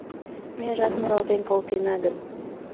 Межат муралтен колтена гын